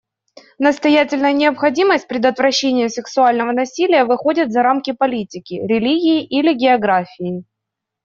Настоятельная необходимость предотвращения сексуального насилия выходит за рамки политики, религии или географии.